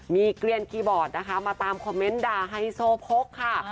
มีเกลียนคีย์บอร์ดนะคะมาตามคอมเมนต์ด่าไฮโซโพกค่ะ